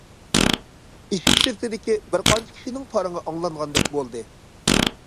ئىشىك سىرتىدىكى بىر قانچە كىشىنىڭ پارىڭى ئاڭلانغاندەك بولدى.